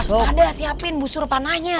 pas pada siapin busur panahnya